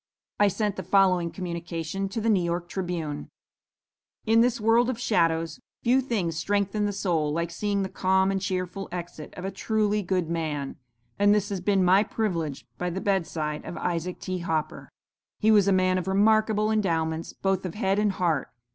"I sent the following communication to 'The New York Tribune': "In this world of shadows, few things strengthen the soul like seeing the calm and cheerful exit of a truly good man; and this has been my privilege by the bedside of Isaac T. Hopper. "He was a man of remarkable endowments, both of head and heart.